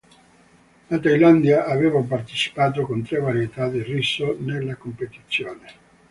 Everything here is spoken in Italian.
La Thailandia aveva partecipato con tre varietà di riso nella competizione.